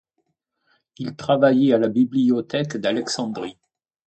Il travaillait à la Bibliothèque d'Alexandrie.